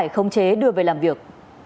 không chế đưa về làm việc